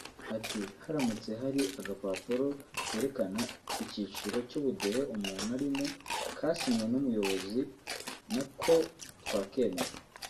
Ati “Haramutse hari agapapuro kerekana icyiciro cy’ubudehe umuntu arimo kasinywe n’ubuyobozi na ko twakemera